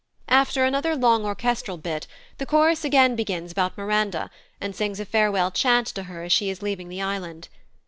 After another long orchestral bit, the chorus again begins about Miranda, and sings a farewell chant to her as she is leaving the island.